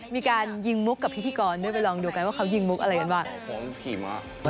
มีการยิงมุกกับพิธีกรด้วยไปลองดูกันว่าเขายิงมุกอะไรกันบ้าง